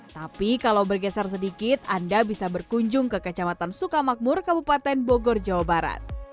tapi kalau bergeser sedikit anda bisa berkunjung ke kecamatan sukamakmur kabupaten bogor jawa barat